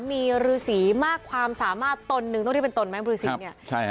มีฤษีมากความสามารถตนหนึ่งต้องที่เป็นตนไหมบริสินเนี่ย